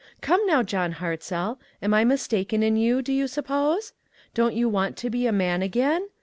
Come, now, John Hartzell, am I mistaken in you, do you suppose? Don't your want to be a man again